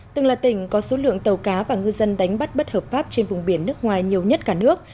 từng là tỉnh có số lượng tàu cá và ngư dân đánh bắt bất hợp pháp trên vùng biển nước ngoài nhiều nhất cả nước